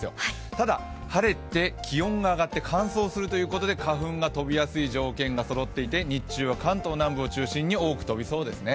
ただ晴れて気温が上がって乾燥するということで花粉が飛びやすい条件がそろっていて日中は関東南部を中心に多く飛びそうですね。